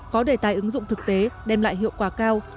có đề tài ứng dụng thực tế đem lại hiệu quả cao